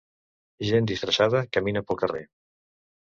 Gent disfressada camina pel carrer.